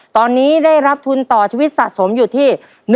ตอนนี้ได้รับทุนต่อชีวิตสะสมอยู่ที่